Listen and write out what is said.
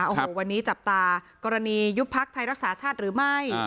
โอ้โหวันนี้จับตากรณียุบพักไทยรักษาชาติหรือไม่